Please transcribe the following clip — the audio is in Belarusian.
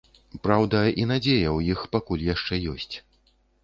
Праўда, і надзея ў іх пакуль яшчэ ёсць.